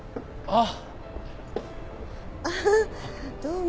あっ。